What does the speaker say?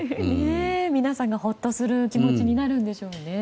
皆さんがほっとする気持ちになるんでしょうね。